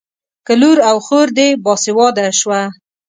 که لور او خور دې باسواده شوه.